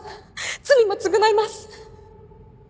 罪も償います。